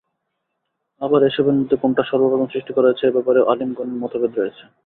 আবার এসবের মধ্যে কোনটা সর্বপ্রথম সৃষ্টি করা হয়েছে এ ব্যাপারেও আলিমগণের মতভেদ রয়েছে।